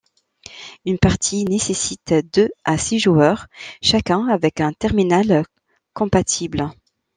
Une partie nécessite deux à six joueurs, chacun avec un terminal compatible.